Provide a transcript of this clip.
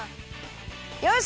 よし！